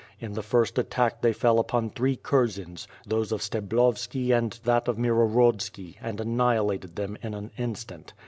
In the first attack they fell upon three kurzens, those of Steblovski and that of Mirohorodzki, i nd annihilated them in an instant.